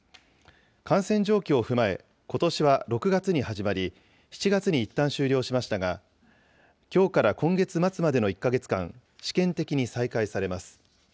感染状況を踏まえ、ことしは６月に始まり、７月にいったん終了しましたが、きょうから今月末までの１か月間、試験的に再開されます。